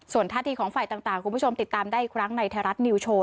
ส่วนท่าทีของฝ่ายต่างคุณผู้ชมติดตามได้อีกครั้งในไทยรัฐนิวโชว